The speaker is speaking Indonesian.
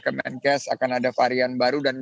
kemenkes akan ada varian baru dan